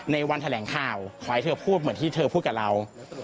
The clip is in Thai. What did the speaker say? ในวันแถลงข่าวขอให้เธอพูดเหมือนที่เธอพูดกับเรา